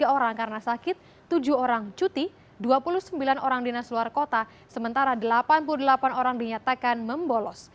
tiga orang karena sakit tujuh orang cuti dua puluh sembilan orang dinas luar kota sementara delapan puluh delapan orang dinyatakan membolos